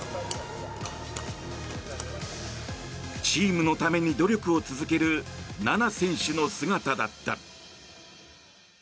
チームのために努力を続ける菜那選手の姿だった。